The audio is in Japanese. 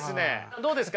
どうですか？